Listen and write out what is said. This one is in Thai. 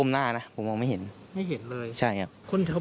ไม่แน่ใจเหมือนกันนะวิ